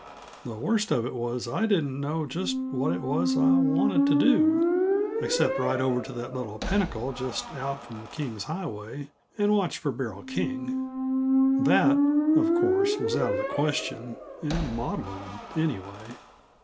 The worst of it was that I didn't know just what it was I wanted to do, except ride over to that little pinnacle just out from King's Highway, and watch for Beryl King; that, of course, was out of the question, and maudlin, anyway.